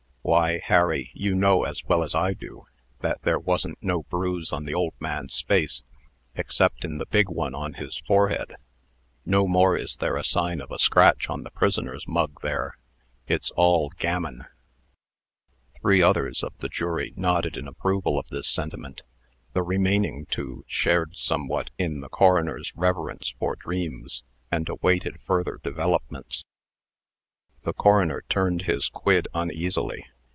Why, Harry, you know, as well as I do, that there wasn't no bruise on the old man's face, exceptin' the big one on his forehead. No more is there a sign of a scratch on the prisoner's mug there. It's all gammon." Three others of the jury nodded in approval of this sentiment. The remaining two shared somewhat in the coroner's reverence for dreams, and awaited further developments. The coroner turned his quid uneasily.